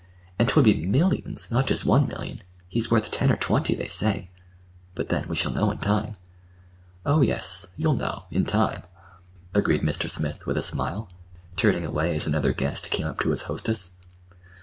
"And 'twould be millions, not just one million. He's worth ten or twenty, they say. But, then, we shall know in time." "Oh, yes, you'll know—in time," agreed Mr. Smith with a smile, turning away as another guest came up to his hostess.